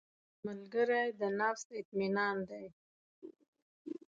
ملګری د نفس اطمینان دی